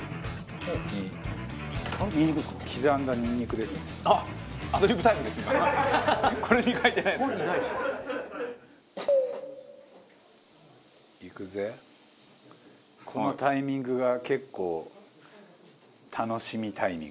このタイミングが結構楽しみタイミングですよ。